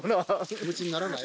気持ちにならない？